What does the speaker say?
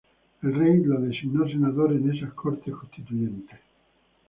El rey lo designó senador en esas Cortes Constituyentes.